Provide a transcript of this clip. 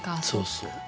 そうそう。